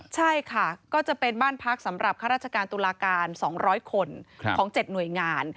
ใช่ค่ะก็จะเป็นบ้านพักสำหรับข้าราชการตุลาการ๒๐๐คนของ๗หน่วยงาน